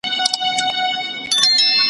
که څوک په ماړه نس بیا خوراک کوي.